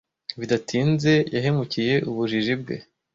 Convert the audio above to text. Bidatinze yahemukiye ubujiji bwe.